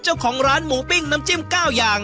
เจ้าของร้านหมูปิ้งน้ำจิ้ม๙อย่าง